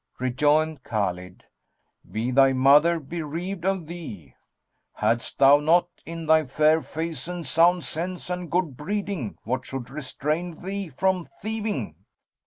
Rejoined Khбlid, "Be thy mother bereaved of thee![FN#219] Hadst thou not, in thy fair face and sound sense and good breeding, what should restrain thee from thieving?"